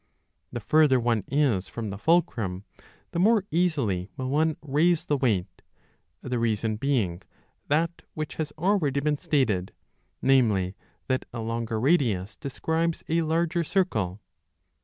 The further one is from the fulcrum, the more easily will one raise the weight; the reason being that which has already been stated, 1 namely, .. that a longer radius de ^ scribes a larger circle.